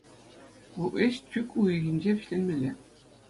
Ку ӗҫ чӳк уйӑхӗнче вӗҫленмелле.